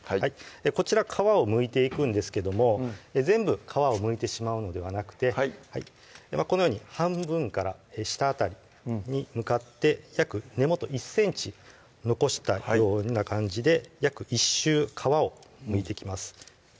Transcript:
こちら皮をむいていくんですけども全部皮をむいてしまうのではなくてこのように半分から下辺りに向かって約根元１ｃｍ残したような感じで約１周皮をむいていきます